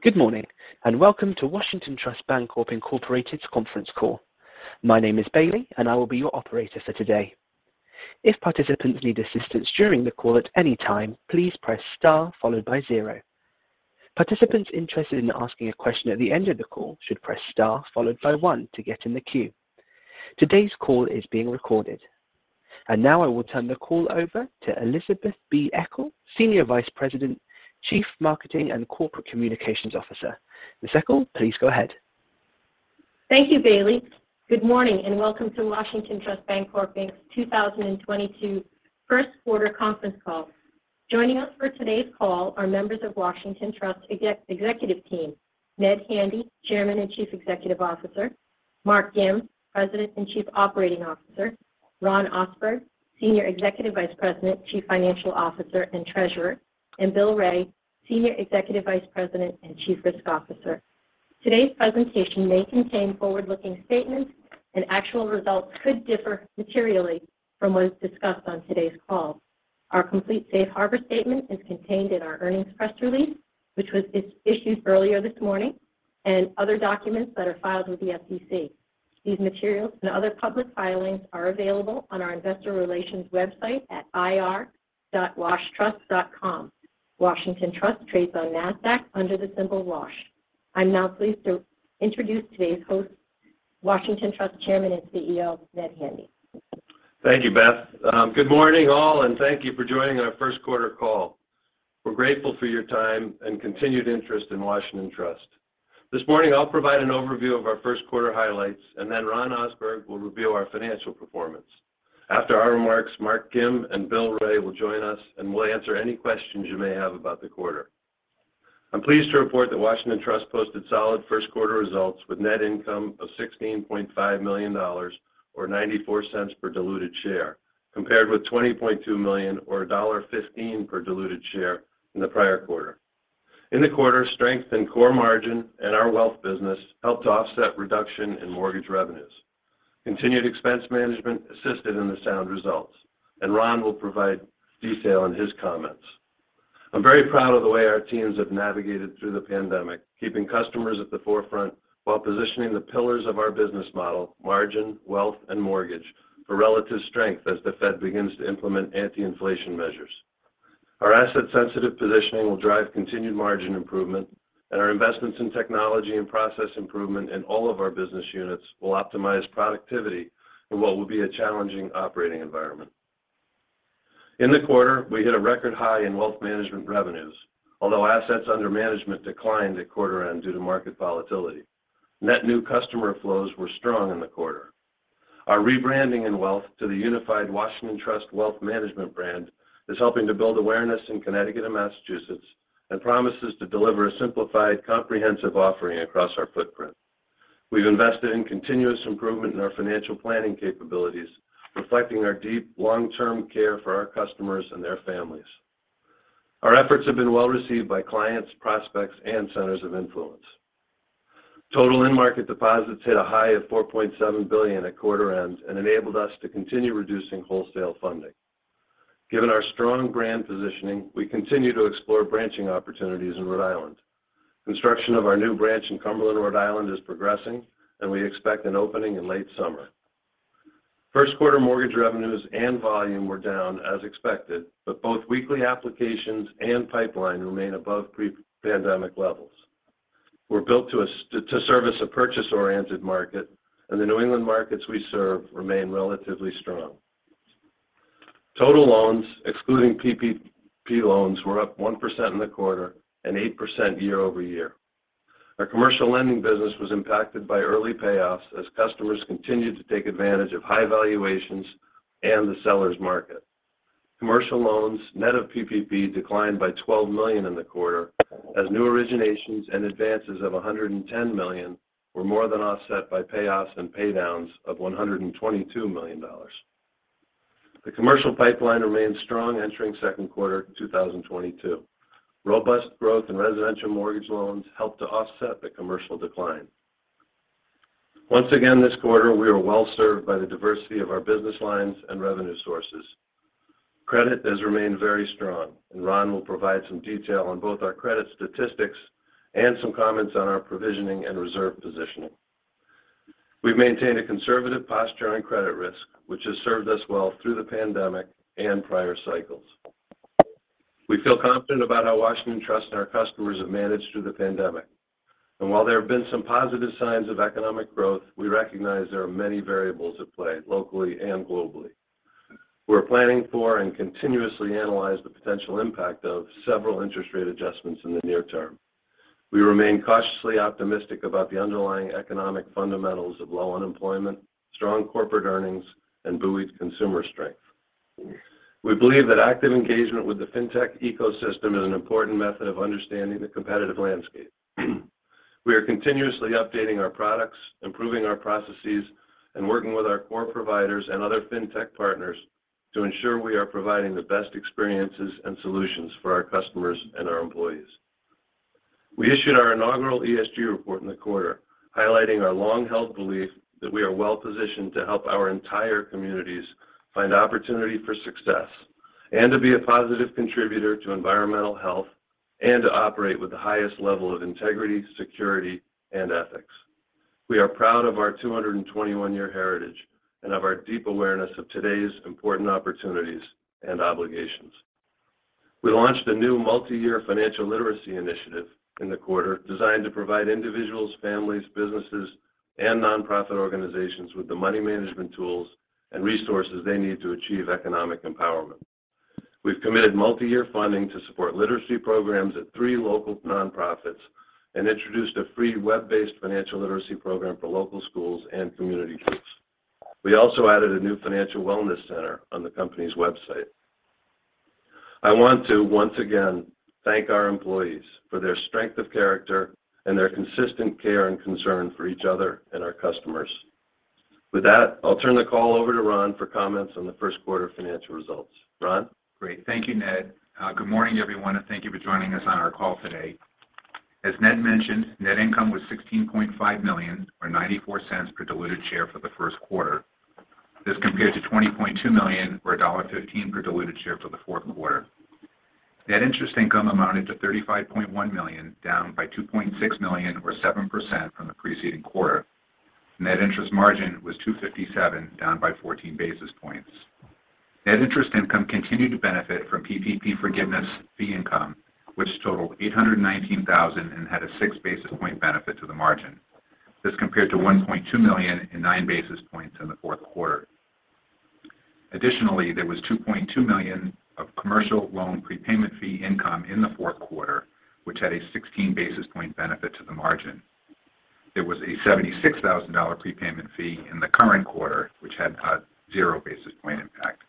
Good morning, and Welcome to Washington Trust Bancorp, Incorporated's Conference Call. My name is Bailey, and I will be your operator for today. If participants need assistance during the call at any time, please press star followed by zero. Participants interested in asking a question at the end of the call should press star followed by one to get in the queue. Today's call is being recorded. Now I will turn the call over to Elizabeth B. Eckel, Senior Vice President, Chief Marketing and Corporate Communications Officer. Ms. Eckel, please go ahead. Thank you, Bailey. Good morning, and Welcome to Washington Trust Bancorp, Inc.'s 2022 First Quarter Conference Call. Joining us for today's call are members of Washington Trust Executive Team, Ned Handy, Chairman and Chief Executive Officer, Mark Gim, President and Chief Operating Officer, Ron Osberg, Senior Executive Vice President, Chief Financial Officer, and Treasurer, and Bill Wray, Senior Executive Vice President and Chief Risk Officer. Today's presentation may contain forward-looking statements and actual results could differ materially from what is discussed on today's call. Our complete safe harbor statement is contained in our earnings press release, which was issued earlier this morning, and other documents that are filed with the SEC. These materials and other public filings are available on our investor relations website at ir.washtrust.com. Washington Trust trades on NASDAQ under the symbol WASH. I'm now pleased to introduce today's host, Washington Trust Chairman and CEO, Ned Handy. Thank you, Beth. Good morning, all, and thank you for joining our first quarter call. We're grateful for your time and continued interest in Washington Trust. This morning, I'll provide an overview of our first quarter highlights, and then Ron Ohsberg will reveal our financial performance. After our remarks, Mark Gim and Bill Wray will join us, and we'll answer any questions you may have about the quarter. I'm pleased to report that Washington Trust posted solid first quarter results with net income of $16.5 million or $0.94 per diluted share compared with $20.2 million or $1.15 per diluted share in the prior quarter. In the quarter, strength in core margin and our wealth business helped to offset reduction in mortgage revenues. Continued expense management assisted in the sound results, and Ron Ohsberg will provide detail in his comments. I'm very proud of the way our teams have navigated through the pandemic, keeping customers at the forefront while positioning the pillars of our business model, margin, wealth, and mortgage, for relative strength as the Fed begins to implement anti-inflation measures. Our asset-sensitive positioning will drive continued margin improvement, and our investments in technology and process improvement in all of our business units will optimize productivity in what will be a challenging operating environment. In the quarter, we hit a record high in Wealth Management revenues, although assets under management declined at quarter end due to market volatility. Net new customer flows were strong in the quarter. Our rebranding in wealth to the unified Washington Trust Wealth Management brand is helping to build awareness in Connecticut and Massachusetts and promises to deliver a simplified, comprehensive offering across our footprint. We've invested in continuous improvement in our financial planning capabilities, reflecting our deep long-term care for our customers and their families. Our efforts have been well received by clients, prospects, and centers of influence. Total end market deposits hit a high of $4.7 billion at quarter end and enabled us to continue reducing wholesale funding. Given our strong brand positioning, we continue to explore branching opportunities in Rhode Island. Construction of our new branch in Cumberland, Rhode Island is progressing, and we expect an opening in late summer. First quarter mortgage revenues and volume were down as expected, but both weekly applications and pipeline remain above pre-pandemic levels. We're built to service a purchase-oriented market, and the New England markets we serve remain relatively strong. Total loans, excluding PPP loans, were up 1% in the quarter and 8% year-over-year. Our commercial lending business was impacted by early payoffs as customers continued to take advantage of high valuations and the seller's market. Commercial loans, net of PPP, declined by $12 million in the quarter as new originations and advances of $110 million were more than offset by payoffs and pay downs of $122 million. The commercial pipeline remains strong entering second quarter 2022. Robust growth in residential mortgage loans helped to offset the commercial decline. Once again this quarter, we are well served by the diversity of our business lines and revenue sources. Credit has remained very strong, and Ron will provide some detail on both our credit statistics and some comments on our provisioning and reserve positioning. We've maintained a conservative posture on credit risk, which has served us well through the pandemic and prior cycles. We feel confident about how Washington Trust and our customers have managed through the pandemic. While there have been some positive signs of economic growth, we recognize there are many variables at play locally and globally. We're planning for and continuously analyze the potential impact of several interest rate adjustments in the near term. We remain cautiously optimistic about the underlying economic fundamentals of low unemployment, strong corporate earnings, and buoyed consumer strength. We believe that active engagement with the fintech ecosystem is an important method of understanding the competitive landscape. We are continuously updating our products, improving our processes, and working with our core providers and other fintech partners to ensure we are providing the best experiences and solutions for our customers and our employees. We issued our inaugural ESG report in the quarter, highlighting our long-held belief that we are well-positioned to help our entire communities find opportunity for success, to be a positive contributor to environmental health, and to operate with the highest level of integrity, security, and ethics. We are proud of our 221-year heritage and of our deep awareness of today's important opportunities and obligations. We launched a new multi-year financial literacy initiative in the quarter designed to provide individuals, families, businesses, and nonprofit organizations with the money management tools and resources they need to achieve economic empowerment. We've committed multi-year funding to support literacy programs at three local nonprofits and introduced a free web-based financial literacy program for local schools and community groups. We also added a new financial wellness center on the company's website. I want to once again thank our employees for their strength of character and their consistent care and concern for each other and our customers. With that, I'll turn the call over to Ron for comments on the first quarter financial results. Ron? Great. Thank you, Ned. Good morning, everyone, and thank you for joining us on our call today. As Ned mentioned, net income was $16.5 million or $0.94 per diluted share for the first quarter. This compared to $20.2 million or $1.15 per diluted share for the fourth quarter. Net interest income amounted to $35.1 million, down by $2.6 million or 7% from the preceding quarter. Net interest margin was 2.57%, down by 14 basis points. Net interest income continued to benefit from PPP forgiveness fee income, which totaled $819,000 and had a 6 basis point benefit to the margin. This compared to $1.2 million in 9 basis points in the fourth quarter. Additionally, there was $2.2 million of commercial loan prepayment fee income in the fourth quarter, which had a 16 basis points benefit to the margin. There was a $76,000 prepayment fee in the current quarter, which had a 0 basis point impact.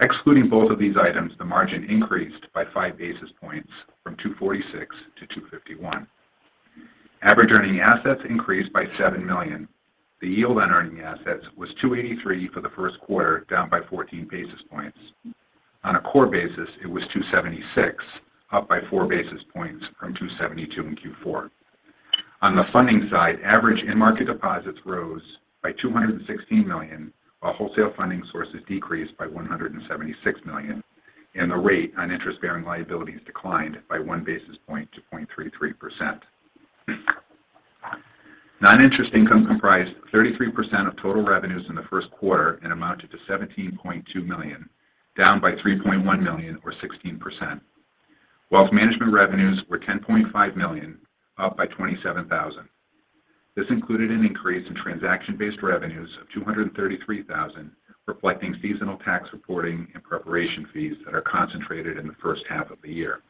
Excluding both of these items, the margin increased by 5 basis points from 2.46%-2.51%. Average earning assets increased by $7 million. The yield on earning assets was 2.83% for the first quarter, down by 14 basis points. On a core basis, it was 2.76%, up by 4 basis points from 2.72% in Q4. On the funding side, average end market deposits rose by $216 million, while wholesale funding sources decreased by $176 million, and the rate on interest-bearing liabilities declined by 1 basis point to 0.33%. Non-interest income comprised 33% of total revenues in the first quarter and amounted to $17.2 million, down by $3.1 million or 16%. Wealth Management revenues were $10.5 million, up by $27,000. This included an increase in transaction-based revenues of $233,000, reflecting seasonal tax reporting and preparation fees that are concentrated in the first half of the year.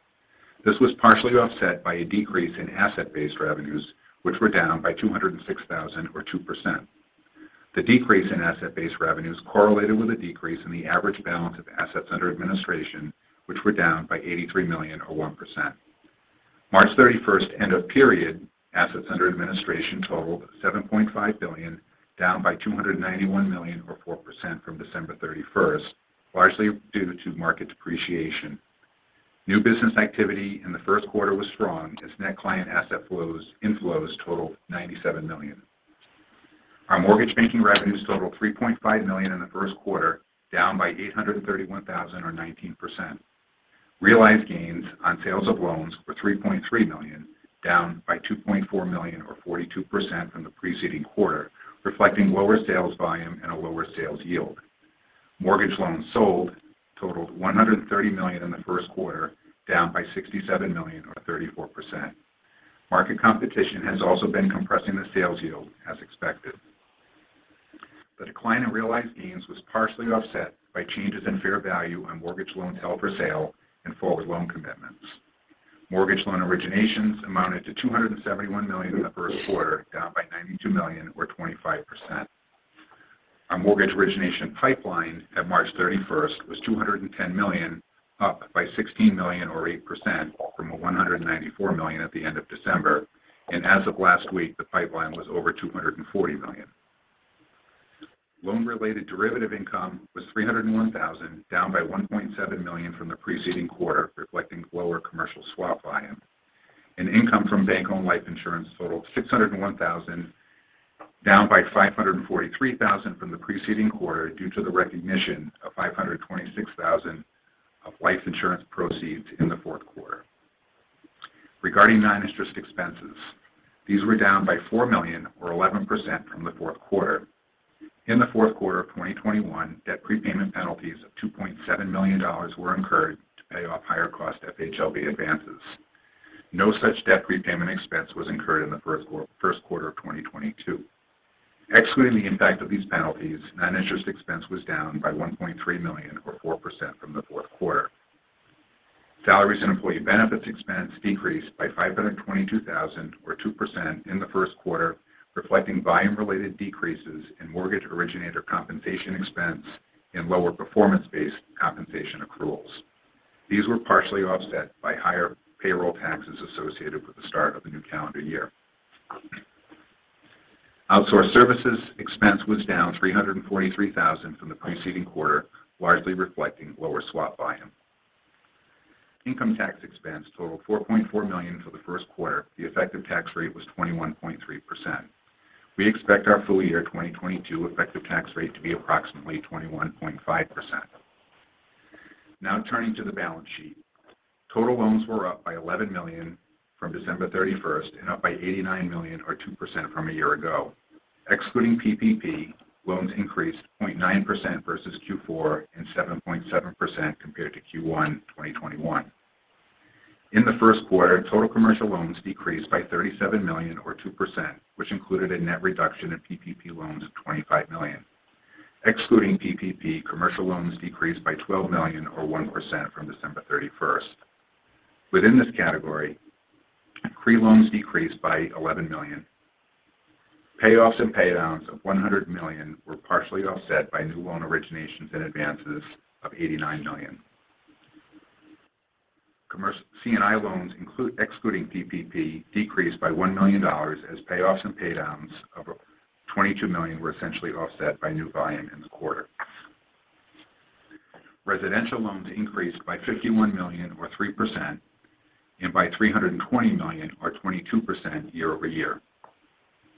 This was partially offset by a decrease in asset-based revenues, which were down by $206,000 or 2%. The decrease in asset-based revenues correlated with a decrease in the average balance of assets under administration, which were down by $83 million or 1%. March 31 end of period assets under administration totaled $7.5 billion, down by $291 million or 4% from December 31, largely due to market depreciation. New business activity in the first quarter was strong as net client asset flows, inflows totaled $97 million. Our mortgage banking revenues totaled $3.5 million in the first quarter, down by $831,000 or 19%. Realized gains on sales of loans were $3.3 million, down by $2.4 million or 42% from the preceding quarter, reflecting lower sales volume and a lower sales yield. Mortgage loans sold totaled $130 million in the first quarter, down by $67 million or 34%. Market competition has also been compressing the sales yield as expected. The decline in realized gains was partially offset by changes in fair value on mortgage loans held for sale and forward loan commitments. Mortgage loan originations amounted to $271 million in the first quarter, down by $92 million or 25%. Our mortgage origination pipeline at March 31 was $210 million, up by $16 million or 8% from $194 million at the end of December. As of last week, the pipeline was over $240 million. Loan-related derivative income was $301,000, down by $1.7 million from the preceding quarter, reflecting lower commercial swap volume. Income from bank-owned life insurance totaled $601,000, down by $543,000 from the preceding quarter due to the recognition of $526,000 of life insurance proceeds in the fourth quarter. Regarding non-interest expenses, these were down by $4 million or 11% from the fourth quarter. In the fourth quarter of 2021, debt prepayment penalties of $2.7 million were incurred to pay off higher cost FHLB advances. No such debt prepayment expense was incurred in the first quarter of 2022. Excluding the impact of these penalties, non-interest expense was down by $1.3 million or 4% from the fourth quarter. Salaries and employee benefits expense decreased by $522,000 or 2% in the first quarter, reflecting volume-related decreases in mortgage originator compensation expense and lower performance-based compensation accruals. These were partially offset by higher payroll taxes associated with the start of the new calendar year. Outsourced services expense was down $343,000 from the preceding quarter, largely reflecting lower swap volume. Income tax expense totaled $4.4 million for the first quarter. The effective tax rate was 21.3%. We expect our full year 2022 effective tax rate to be approximately 21.5%. Now turning to the balance sheet. Total loans were up by $11 million from December 31 and up by $89 million or 2% from a year ago. Excluding PPP, loans increased 0.9% vs Q4 and 7.7% compared to Q1 2021. In the first quarter, total commercial loans decreased by $37 million or 2%, which included a net reduction in PPP loans of $25 million. Excluding PPP, commercial loans decreased by $12 million or 1% from December 31. Within this category, CRE loans decreased by $11 million. Payoffs and pay downs of $100 million were partially offset by new loan originations and advances of $89 million. C&I loans excluding PPP decreased by $1 million as payoffs and pay downs of $22 million were essentially offset by new volume in the quarter. Residential loans increased by $51 million or 3% and by $320 million or 22% year-over-year.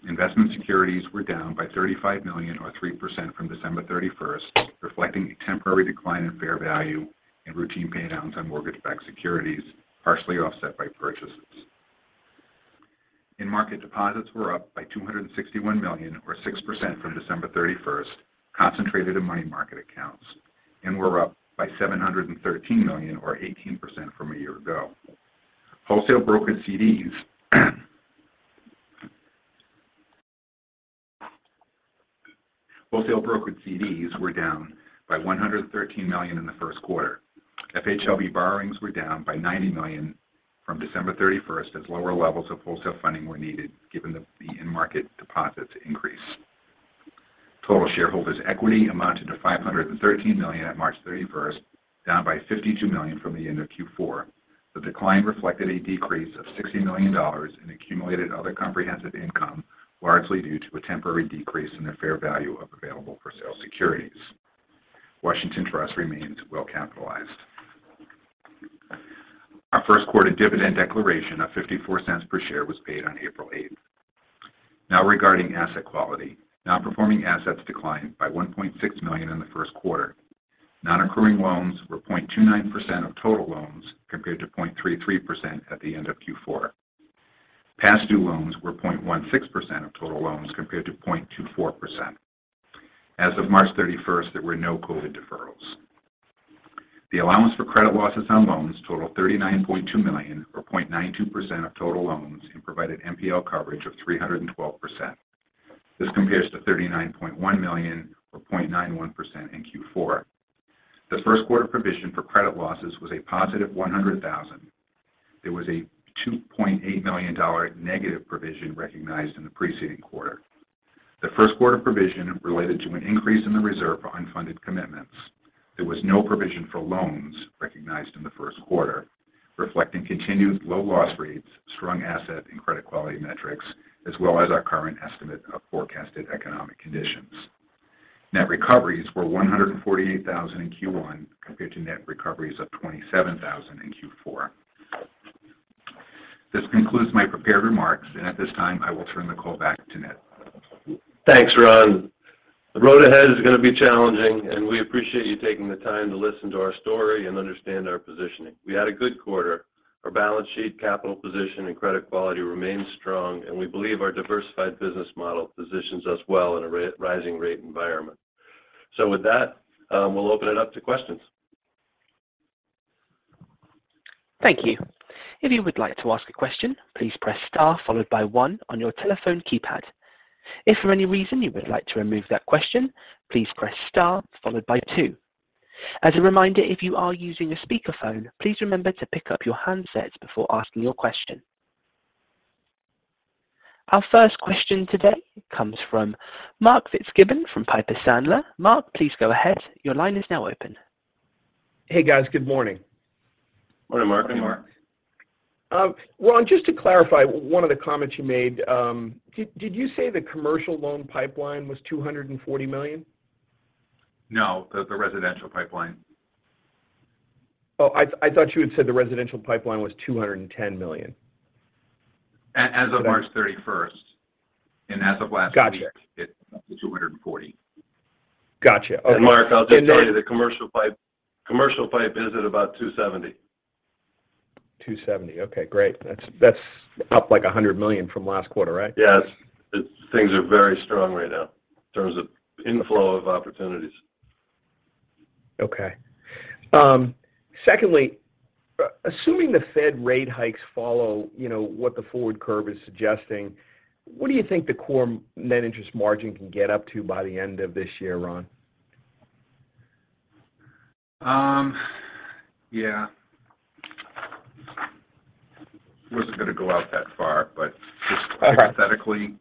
Investment securities were down by $35 million or 3% from December 31, reflecting a temporary decline in fair value and routine pay downs on mortgage-backed securities, partially offset by purchases. In market deposits were up by $261 million or 6% from December 31, concentrated in money market accounts, and were up by $713 million or 18% from a year ago. Wholesale brokered CDs were down by $113 million in the first quarter. FHLB borrowings were down by $90 million from December 31 as lower levels of wholesale funding were needed given the end market deposits increase. Total shareholders' equity amounted to $513 million at March 31, down by $52 million from the end of Q4. The decline reflected a decrease of $60 million in accumulated other comprehensive income, largely due to a temporary decrease in the fair value of available for sale securities. Washington Trust remains well capitalized. Our first quarter dividend declaration of $0.54 per share was paid on April 8. Now regarding asset quality. Non-performing assets declined by $1.6 million in the first quarter. Non-accruing loans were 0.29% of total loans, compared to 0.33% at the end of Q4. Past due loans were 0.16% of total loans, compared to 0.24%. As of March 31, there were no COVID deferrals. The allowance for credit losses on loans totaled $39.2 million, or 0.92% of total loans and provided NPL coverage of 312%. This compares to $39.1 million or 0.91% in Q4. The first quarter provision for credit losses was a positive $100,000. There was a $2.8 million negative provision recognized in the preceding quarter. The first quarter provision related to an increase in the reserve for unfunded commitments. There was no provision for loans recognized in the first quarter, reflecting continued low loss rates, strong asset and credit quality metrics, as well as our current estimate of forecasted economic conditions. Net recoveries were $148,000 in Q1 compared to net recoveries of $27,000 in Q4. This concludes my prepared remarks, and at this time, I will turn the call back to Ned. Thanks, Ron. The road ahead is gonna be challenging, and we appreciate you taking the time to listen to our story and understand our positioning. We had a good quarter. Our balance sheet capital position and credit quality remains strong, and we believe our diversified business model positions us well in a rising rate environment. With that, we'll open it up to questions. Thank you. If you would like to ask a question, please press star followed by one on your telephone keypad. If for any reason you would like to remove that question, please press star followed by two. As a reminder, if you are using a speakerphone, please remember to pick up your handsets before asking your question. Our first question today comes from Mark Fitzgibbon from Piper Sandler. Mark, please go ahead. Your line is now open. Hey, guys. Good morning. Morning, Mark. Morning, Mark. Ron, just to clarify one of the comments you made, did you say the commercial loan pipeline was $240 million? No, the residential pipeline. I thought you had said the residential pipeline was $210 million. As of March 31, and as of last week Gotcha It went up to $240 million. Gotcha. Okay. Mark, I'll just tell you, the commercial pipe is at about $270 million. $270 million. Okay, great. That's up like $100 million from last quarter, right? Yes. Things are very strong right now in terms of inflow of opportunities. Okay. Secondly, assuming the Fed rate hikes follow, you know, what the forward curve is suggesting, what do you think the core net interest margin can get up to by the end of this year, Ron? Yeah. Wasn't gonna go out that far, but hypothetically,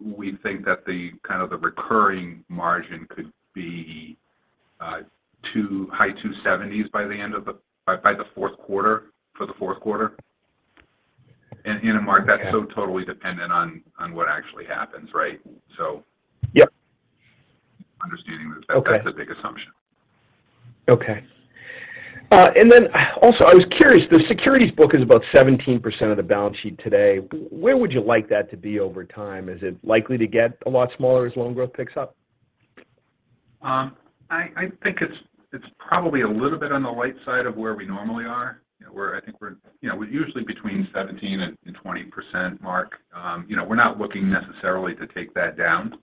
we think that the kind of the recurring margin could be high 2.70s% by the fourth quarter. Mark, that's so totally dependent on what actually happens, right? Yep. Understanding that. Okay That's a big assumption. Okay. I was curious, the securities book is about 17% of the balance sheet today. Where would you like that to be over time? Is it likely to get a lot smaller as loan growth picks up? I think it's probably a little bit on the light side of where we normally are. You know, we're usually between 17%-20% mark. You know, we're not looking necessarily to take that down.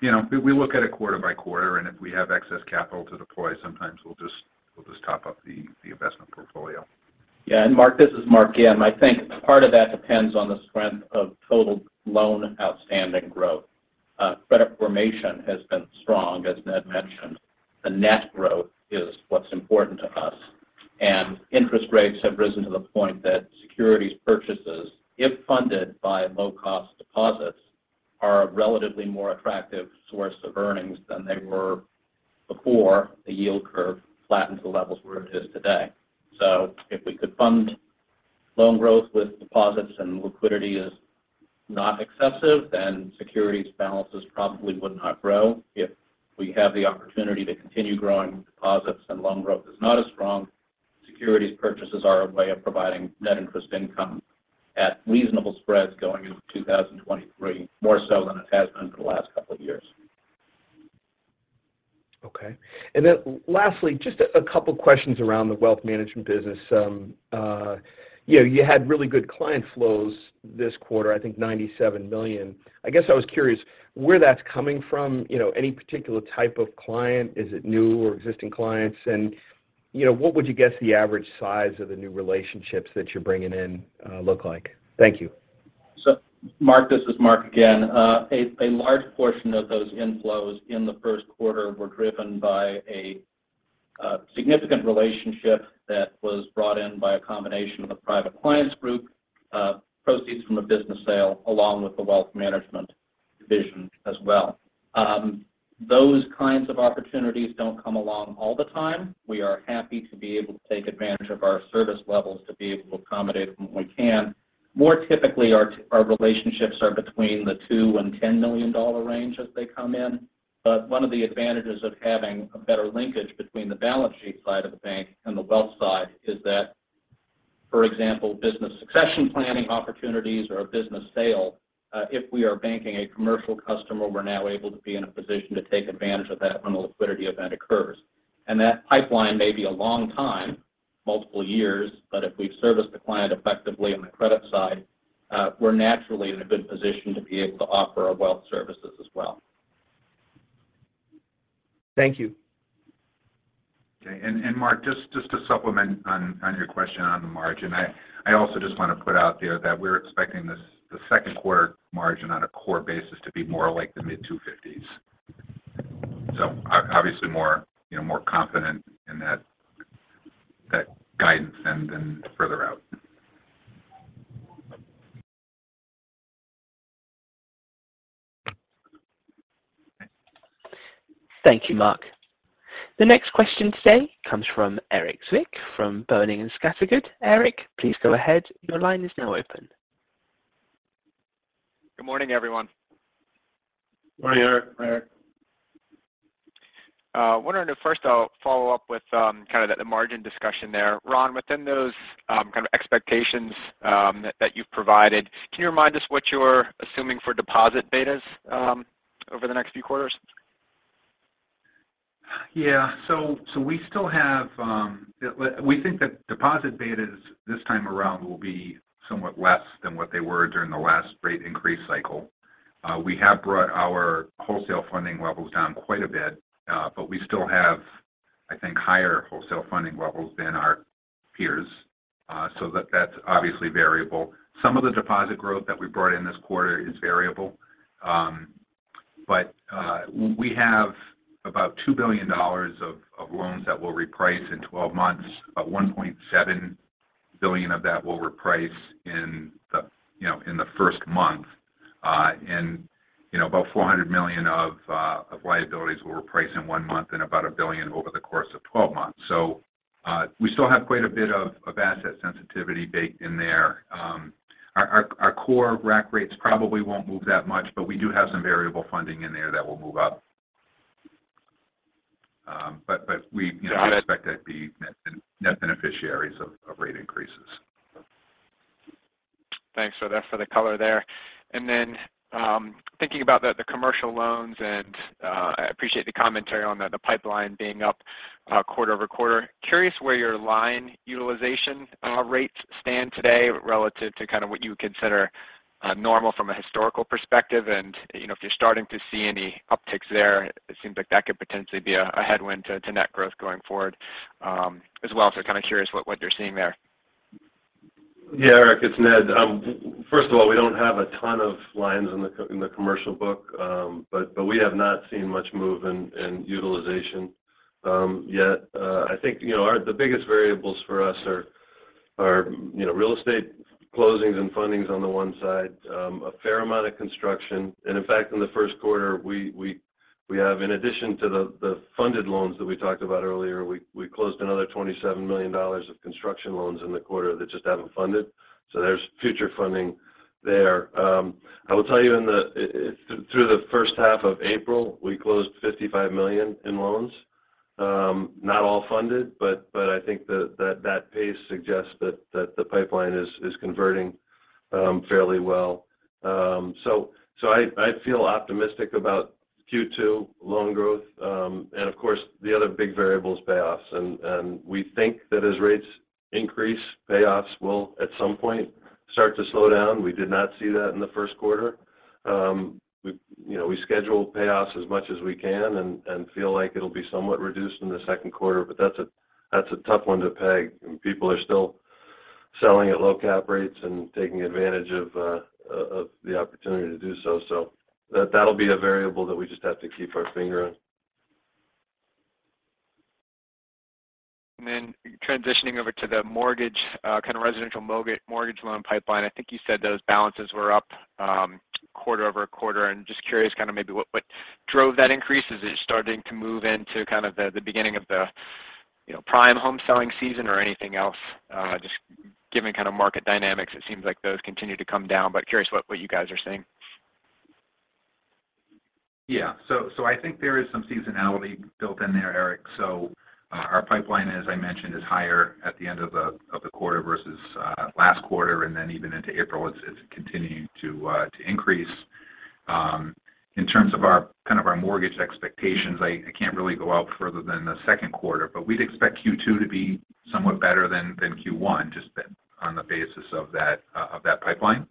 You know, we look at it quarter by quarter, and if we have excess capital to deploy, sometimes we'll just top up the investment portfolio. Yeah. Mark, this is Mark again. I think part of that depends on the strength of total loan outstanding growth. Credit formation has been strong, as Ned mentioned. The net growth is what's important to us. Interest rates have risen to the point that securities purchases, if funded by low-cost deposits, are a relatively more attractive source of earnings than they were before the yield curve flattened to levels where it is today. If we could fund loan growth with deposits and liquidity is not excessive, then securities balances probably would not grow. If we have the opportunity to continue growing deposits and loan growth is not as strong, securities purchases are a way of providing net interest income at reasonable spreads going into 2023, more so than it has been for the last couple of years. Okay. Lastly, just a couple questions around the Wealth Management business. You know, you had really good client flows this quarter, I think $97 million. I guess I was curious where that's coming from, you know, any particular type of client? Is it new or existing clients? You know, what would you guess the average size of the new relationships that you're bringing in look like? Thank you. Mark, this is Mark again. A large portion of those inflows in the first quarter were driven by a significant relationship that was brought in by a combination of a private clients group, proceeds from a business sale, along with the wealth management division as well. Those kinds of opportunities don't come along all the time. We are happy to be able to take advantage of our service levels to be able to accommodate when we can. More typically, our relationships are between $2 million and $10 million range as they come in. One of the advantages of having a better linkage between the balance sheet side of the bank and the wealth side is that, for example, business succession planning opportunities or a business sale, if we are banking a commercial customer, we're now able to be in a position to take advantage of that when a liquidity event occurs. That pipeline may be a long time, multiple years, but if we've serviced the client effectively on the credit side, we're naturally in a good position to be able to offer our wealth services as well. Thank you. Okay. Mark, just to supplement on your question on the margin. I also just want to put out there that we're expecting the second quarter margin on a core basis to be more like the mid-2.50s%. Obviously more, you know, more confident in that guidance and further out. Thank you, Mark. The next question today comes from Erik Zwick from Boenning & Scattergood. Erik, please go ahead. Your line is now open. Good morning, everyone. Morning, Erik. Morning, Erik. I'm wondering if first I'll follow up with kind of the margin discussion there. Ron, within those kind of expectations that you've provided, can you remind us what you're assuming for deposit betas over the next few quarters? Yeah. We think that deposit betas this time around will be somewhat less than what they were during the last rate increase cycle. We have brought our wholesale funding levels down quite a bit, but we still have, I think, higher wholesale funding levels than our peers, so that's obviously variable. Some of the deposit growth that we brought in this quarter is variable. We have about $2 billion of loans that will reprice in 12 months. About $1.7 billion of that will reprice in the first month, you know. You know, about $400 million of liabilities will reprice in one month and about $1 billion over the course of 12 months. We still have quite a bit of asset sensitivity baked in there. Our core rack rates probably won't move that much, but we do have some variable funding in there that will move up. We, you know, expect to be net beneficiaries of rate increases. Thanks for that, for the color there. Then, thinking about the commercial loans and, I appreciate the commentary on the pipeline being up, quarter-over-quarter. Curious where your line utilization rates stand today relative to kind of what you consider normal from a historical perspective. You know, if you're starting to see any upticks there, it seems like that could potentially be a headwind to net growth going forward, as well. Kind of curious what you're seeing there. Yeah, Erik, it's Ned. First of all, we don't have a ton of lines in the commercial book. But we have not seen much move in utilization yet. I think, you know, the biggest variables for us are, you know, real estate closings and fundings on the one side. A fair amount of construction. In fact, in the first quarter, we We have in addition to the funded loans that we talked about earlier, we closed another $27 million of construction loans in the quarter that just haven't funded. There's future funding there. I will tell you through the first half of April, we closed $55 million in loans. Not all funded, but I think that pace suggests that the pipeline is converting fairly well. I feel optimistic about Q2 loan growth. Of course, the other big variable is payoffs. We think that as rates increase, payoffs will, at some point, start to slow down. We did not see that in the first quarter. We, you know, we schedule payoffs as much as we can and feel like it'll be somewhat reduced in the second quarter, but that's a tough one to peg. People are still selling at low cap rates and taking advantage of the opportunity to do so. That'll be a variable that we just have to keep our finger on. Transitioning over to the mortgage, kind of residential mortgage loan pipeline. I think you said those balances were up quarter-over-quarter. Just curious kind of maybe what drove that increase. Is it starting to move into kind of the beginning of the, you know, prime home selling season or anything else? Just given kind of market dynamics, it seems like those continue to come down, but curious what you guys are seeing. Yeah. I think there is some seasonality built in there, Erik. Our pipeline, as I mentioned, is higher at the end of the quarter vs last quarter, and then even into April, it's continuing to increase. In terms of our kind of mortgage expectations, I can't really go out further than the second quarter, but we'd expect Q2 to be somewhat better than Q1, just on the basis of that pipeline.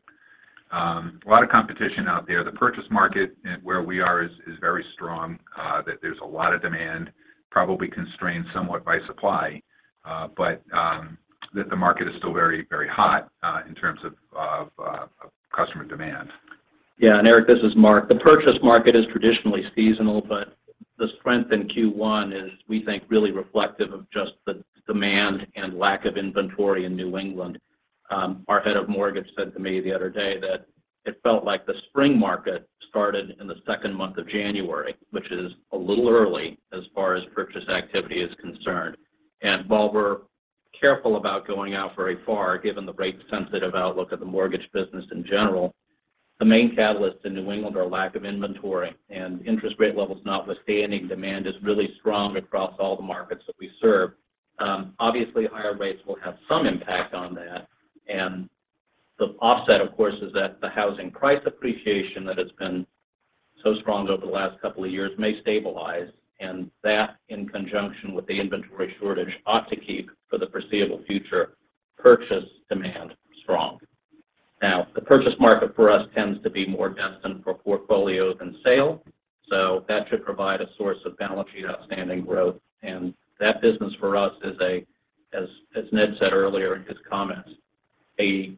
A lot of competition out there. The purchase market where we are is very strong, that there's a lot of demand, probably constrained somewhat by supply, but that the market is still very, very hot in terms of customer demand. Yeah. Erik, this is Mark. The purchase market is traditionally seasonal, but the strength in Q1 is we think really reflective of just the demand and lack of inventory in New England. Our head of mortgage said to me the other day that it felt like the spring market started in the second month of January, which is a little early as far as purchase activity is concerned. While we're careful about going out very far, given the rate sensitive outlook of the mortgage business in general, the main catalysts in New England are lack of inventory. Interest rate levels notwithstanding, demand is really strong across all the markets that we serve. Obviously, higher rates will have some impact on that. The offset, of course, is that the housing price appreciation that has been so strong over the last couple of years may stabilize. That, in conjunction with the inventory shortage, ought to keep, for the foreseeable future, purchase demand strong. Now, the purchase market for us tends to be more destined for portfolio than sale, so that should provide a source of balance sheet outstanding growth. That business for us is, as Ned said earlier in his comments, a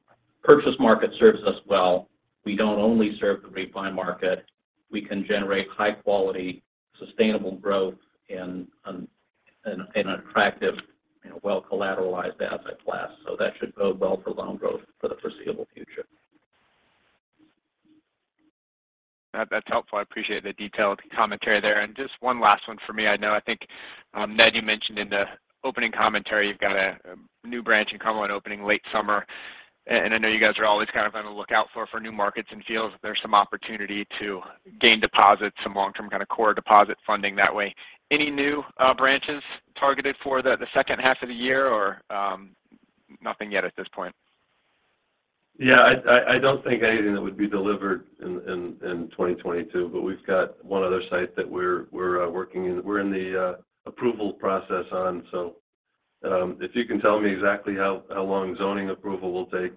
purchase market serves us well. We don't only serve the refi market. We can generate high quality, sustainable growth in an attractive, you know, well collateralized asset class. That should bode well for loan growth for the foreseeable future. That's helpful. I appreciate the detailed commentary there. Just one last one for me. I know, I think, Ned, you mentioned in the opening commentary you've got a new branch in Cumberland opening late summer. I know you guys are always kind of on the lookout for new markets and feel there's some opportunity to gain deposits, some long-term kind of core deposit funding that way. Any new branches targeted for the second half of the year or nothing yet at this point? Yeah. I don't think anything that would be delivered in 2022, but we've got one other site that we're working on. We're in the approval process on. So, if you can tell me exactly how long zoning approval will take,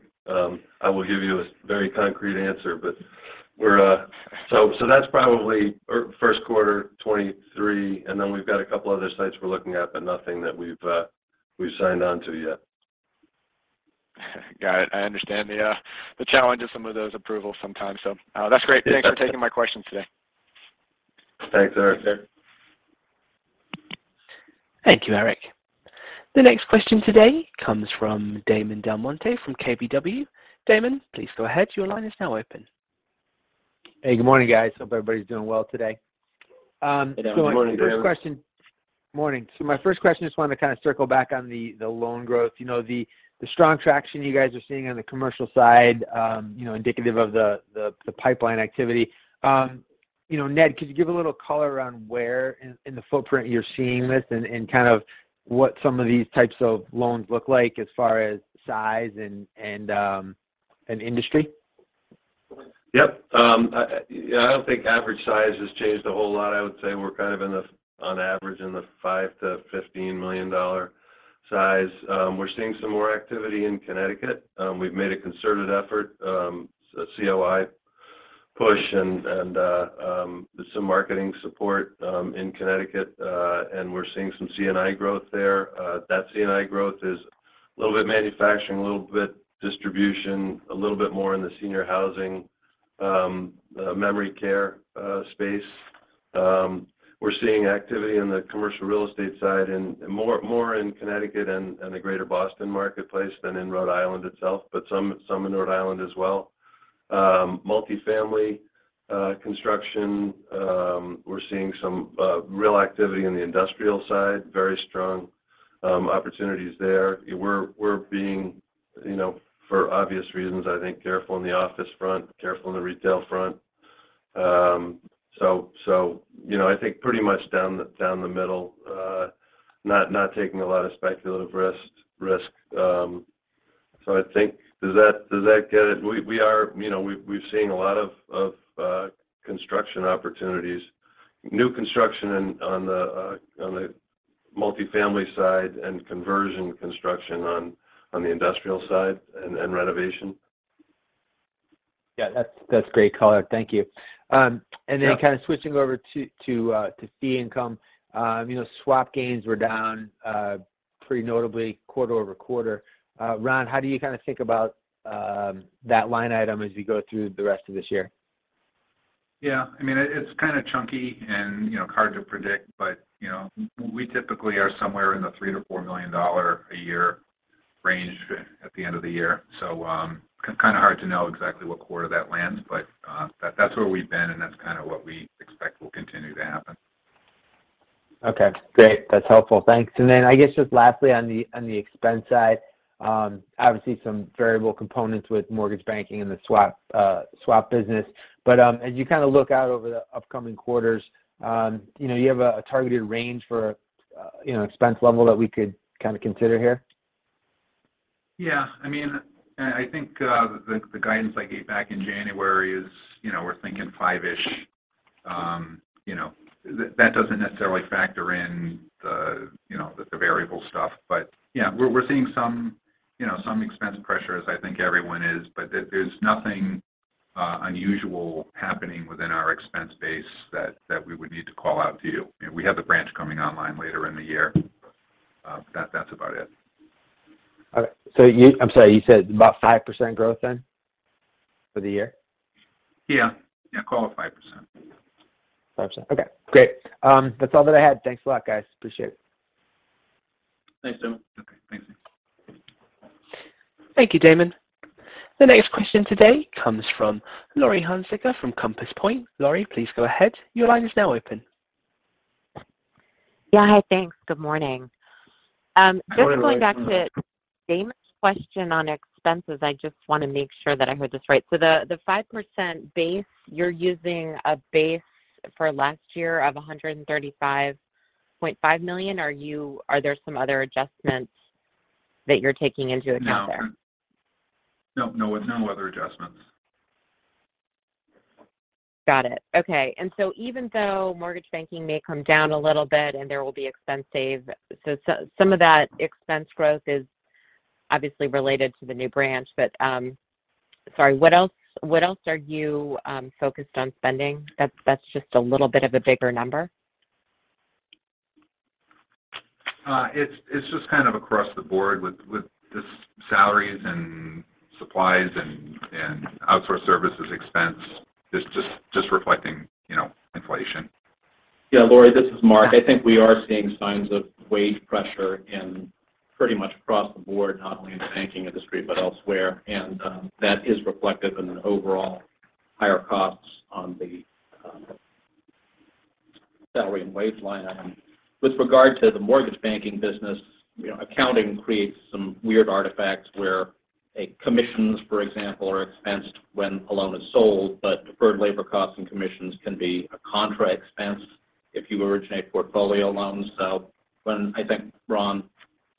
I will give you a very concrete answer. So that's probably our first quarter 2023, and then we've got a couple other sites we're looking at, but nothing that we've signed on to yet. Got it. I understand the challenge of some of those approvals sometimes. That's great. Thanks for taking my questions today. Thanks, Erik. Thank you, Erik. The next question today comes from Damon DelMonte from KBW. Damon, please go ahead. Your line is now open. Hey, good morning, guys. Hope everybody's doing well today. My first question- Good morning, Damon. Morning. My first question, just wanted to kind of circle back on the loan growth. You know, the strong traction you guys are seeing on the commercial side, indicative of the pipeline activity. You know, Ned, could you give a little color around where in the footprint you're seeing this and kind of what some of these types of loans look like as far as size and industry? Yep. I don't think average size has changed a whole lot. I would say we're kind of on average in the $5 million-$15 million size. We're seeing some more activity in Connecticut. We've made a concerted effort, a COI push and some marketing support in Connecticut, and we're seeing some C&I growth there. That C&I growth is a little bit manufacturing, a little bit distribution, a little bit more in the senior housing, memory care space. We're seeing activity in the commercial real estate side and more in Connecticut and the Greater Boston marketplace than in Rhode Island itself, but some in Rhode Island as well. Multi-family construction, we're seeing some real activity in the industrial side, very strong opportunities there. We're being, you know, for obvious reasons I think careful in the office front, careful in the retail front. You know, I think pretty much down the middle, not taking a lot of speculative risk. I think. Does that get it? You know, we've seen a lot of construction opportunities. New construction on the multi-family side and conversion construction on the industrial side and renovation. Yeah. That's great color. Thank you. Yeah. Kind of switching over to fee income. You know, swap gains were down pretty notably quarter-over-quarter. Ron, how do you kind of think about that line item as we go through the rest of this year? Yeah. I mean, it's kind of chunky and, you know, hard to predict. You know, we typically are somewhere in the $3 million-$4 million a year range at the end of the year. Kind of hard to know exactly what quarter that lands, but that's where we've been, and that's kind of what we expect will continue to happen. Okay, great. That's helpful. Thanks. I guess just lastly on the expense side, obviously some variable components with mortgage banking and the swap business. As you kind of look out over the upcoming quarters, you know, you have a targeted range for, you know, expense level that we could kind of consider here? Yeah. I mean, I think the guidance I gave back in January is, you know, we're thinking five-ish. You know, that doesn't necessarily factor in the, you know, the variable stuff. Yeah, we're seeing some, you know, some expense pressures. I think everyone is. There's nothing unusual happening within our expense base that we would need to call out to you. You know, we have the branch coming online later in the year. That's about it. All right. You said about 5% growth then for the year? Yeah. Call it 5%. 5%. Okay, great. That's all that I had. Thanks a lot, guys. Appreciate it. Thanks, Damon. Okay. Thanks. Thank you, Damon. The next question today comes from Laurie Hunsicker from Compass Point. Laurie, please go ahead. Your line is now open. Yeah. Hi. Thanks. Good morning. Good morning, Laurie. Just going back to Damon's question on expenses, I just want to make sure that I heard this right. The 5% base, you're using a base for last year of $135.5 million. Are there some other adjustments that you're taking into account there? No, no other adjustments. Got it. Okay. Even though mortgage banking may come down a little bit and there will be expense savings, so some of that expense growth is obviously related to the new branch. Sorry, what else are you focused on spending? That's just a little bit of a bigger number. It's just kind of across the board with just salaries and supplies and outsourced services expense. It's just reflecting, you know, inflation. Yeah. Laurie, this is Mark. I think we are seeing signs of wage pressure in pretty much across the board, not only in the banking industry, but elsewhere. That is reflective in the overall higher costs on the salary and wage line item. With regard to the mortgage banking business, you know, accounting creates some weird artifacts where commissions, for example, are expensed when a loan is sold, but deferred labor costs and commissions can be a contra expense if you originate portfolio loans. So when I think, Ron,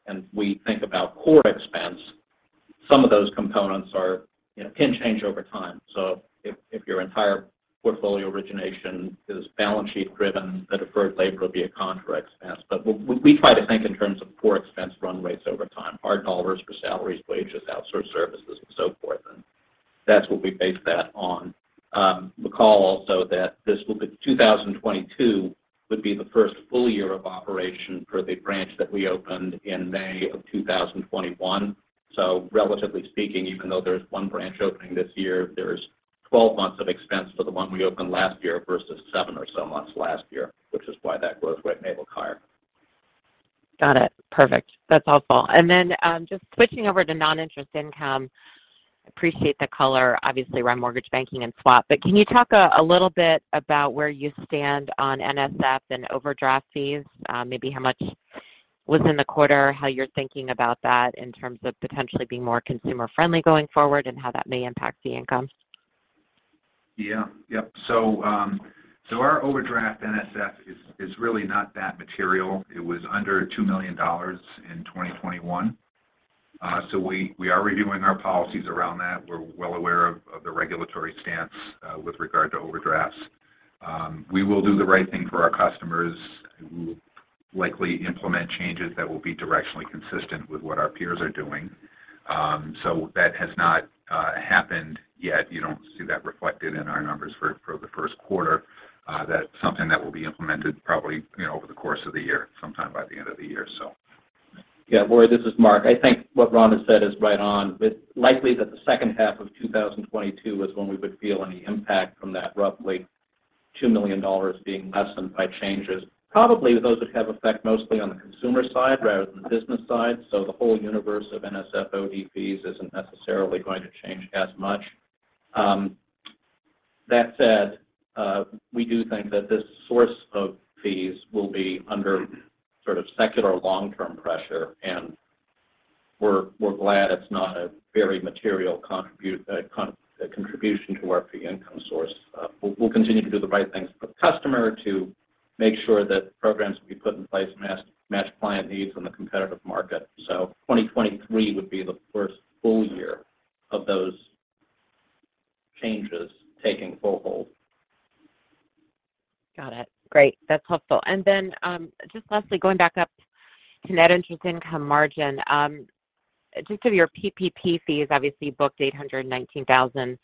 and we think about core expense, some of those components are, you know, can change over time. So if your entire portfolio origination is balance sheet driven, the deferred labor would be a contra expense. We try to think in terms of core expense run rates over time, hard dollars for salaries, wages, outsourced services and so forth. That's what we base that on. Recall also that 2022 would be the first full year of operation for the branch that we opened in May of 2021. Relatively speaking, even though there's one branch opening this year, there's 12 months of expense for the one we opened last year vs seven or so months last year, which is why that growth rate may look higher. Got it. Perfect. That's helpful. Just switching over to non-interest income, appreciate the color obviously around mortgage banking and swap. Can you talk a little bit about where you stand on NSF and overdraft fees, maybe how much within the quarter, how you're thinking about that in terms of potentially being more consumer-friendly going forward and how that may impact fee income? Our overdraft NSF is really not that material. It was under $2 million in 2021. We are reviewing our policies around that. We're well aware of the regulatory stance with regard to overdrafts. We will do the right thing for our customers. We will likely implement changes that will be directionally consistent with what our peers are doing. That has not happened yet. You don't see that reflected in our numbers for the first quarter. That's something that will be implemented probably, you know, over the course of the year, sometime by the end of the year. Laurie, this is Mark. I think what Ron has said is right on. Likely that the second half of 2022 is when we would feel any impact from that roughly $2 million being lessened by changes. Probably those that have effect mostly on the consumer side rather than the business side. The whole universe of NSF OD fees isn't necessarily going to change as much. That said, we do think that this source of fees will be under sort of secular long-term pressure, and we're glad it's not a very material contribution to our fee income source. We'll continue to do the right things for the customer to make sure that programs we put in place match client needs in the competitive market. 2023 would be the first full year of those changes taking full hold. Got it. Great. That's helpful. Just lastly, going back up to net interest income margin. Just so, your PPP fees obviously booked $819,000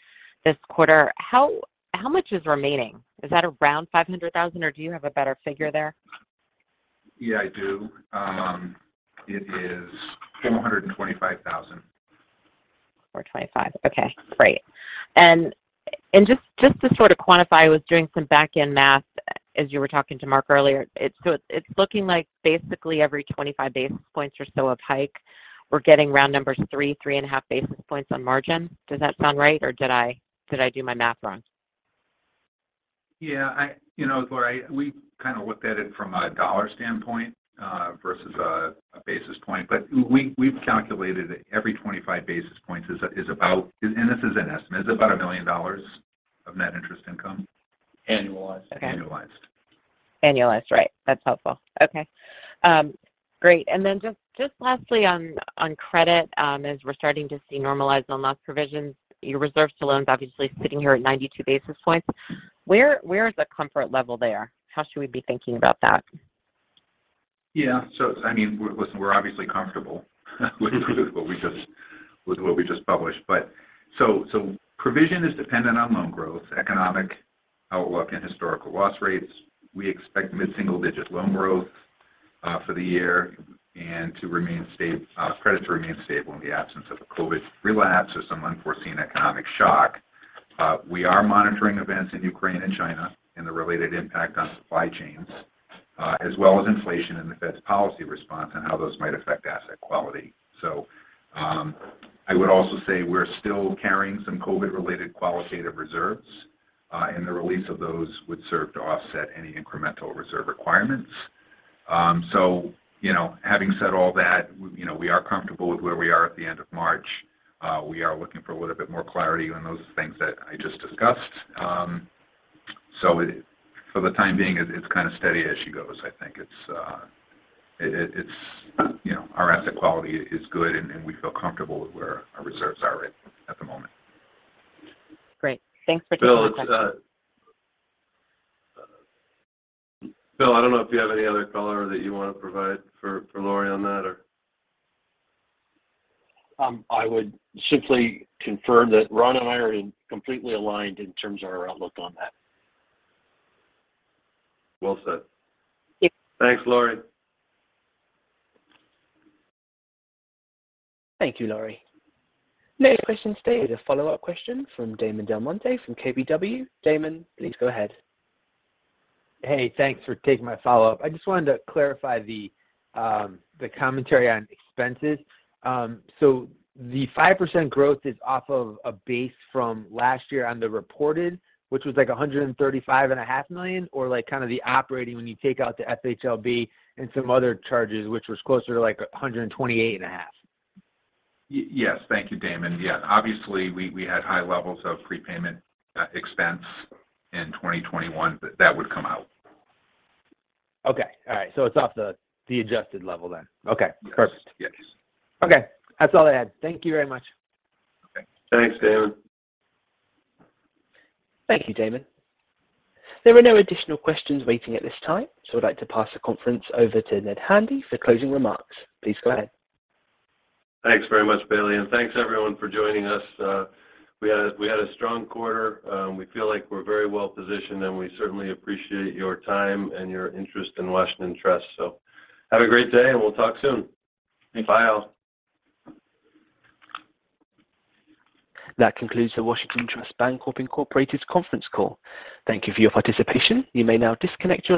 this quarter. How much is remaining? Is that around $500,000, or do you have a better figure there? Yeah, I do. It is $425,000. $425,000. Okay, great. Just to sort of quantify, I was doing some back-end math as you were talking to Mark earlier. It's looking like basically every 25 basis points or so of hike, we're getting round numbers 3.5 basis points on margin. Does that sound right, or did I do my math wrong? Yeah. You know, Laurie, we kind of looked at it from a dollar standpoint vs a basis point. We've calculated every 25 basis points is about $1 million of net interest income. This is an estimate. Annualized. Okay. Annualized. Annualized, right. That's helpful. Okay. Great. Then just lastly on credit, as we're starting to see normalized loan loss provisions, your reserves to loans obviously sitting here at 92 basis points. Where is the comfort level there? How should we be thinking about that? I mean, we're obviously comfortable with what we just published. Provision is dependent on loan growth, economic outlook, and historical loss rates. We expect mid-single digit loan growth for the year and credit to remain stable in the absence of a COVID relapse or some unforeseen economic shock. We are monitoring events in Ukraine and China and the related impact on supply chains, as well as inflation and the Fed's policy response and how those might affect asset quality. I would also say we're still carrying some COVID-related qualitative reserves, and the release of those would serve to offset any incremental reserve requirements. You know, having said all that, you know, we are comfortable with where we are at the end of March. We are looking for a little bit more clarity on those things that I just discussed. For the time being, it's kind of steady as she goes, I think. It's you know, our asset quality is good, and we feel comfortable with where our reserves are at the moment. Great. Thanks for taking my question. Bill, it's Bill. I don't know if you have any other color that you want to provide for Laurie on that or? I would simply confirm that Ron and I are completely aligned in terms of our outlook on that. Well said. Yep. Thanks, Laurie. Thank you, Laurie. Next question today is a follow-up question from Damon DelMonte from KBW. Damon, please go ahead. Hey, thanks for taking my follow-up. I just wanted to clarify the commentary on expenses. So the 5% growth is off of a base from last year on the reported, which was like $135.5 million, or like kind of the operating when you take out the FHLB and some other charges which was closer to like $128.5 million? Yes. Thank you, Damon. Yeah. Obviously, we had high levels of prepayment expense in 2021, but that would come out. Okay. All right. It's off the adjusted level then. Okay. Yes. Perfect. Yes. Okay. That's all I had. Thank you very much. Okay. Thanks, Damon. Thank you, Damon. There are no additional questions waiting at this time, so I'd like to pass the conference over to Ned Handy for closing remarks. Please go ahead. Thanks very much, Bailey. Thanks everyone for joining us. We had a strong quarter. We feel like we're very well-positioned, and we certainly appreciate your time and your interest in Washington Trust. Have a great day, and we'll talk soon. Thanks. Bye, all. That concludes the Washington Trust Bancorp, Incorporated conference call. Thank you for your participation. You may now disconnect your lines.